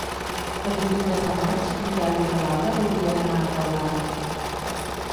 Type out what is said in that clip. El vint-i-tres de maig en Telm i na Laura voldrien anar a Teulada.